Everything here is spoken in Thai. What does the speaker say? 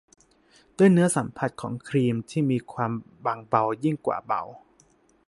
ด้วยเนื้อสัมผัสของครีมมีความบางเบายิ่งกว่าเบา